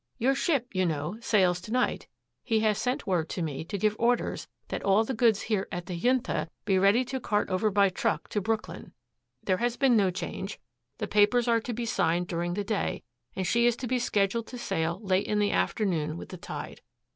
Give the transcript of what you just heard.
"Your ship, you know, sails to night. He has sent word to me to give orders that all the goods here at the Junta be ready to cart over by truck to Brooklyn. There has been no change. The papers are to be signed during the day and she is to be scheduled to sail late in the afternoon with the tide.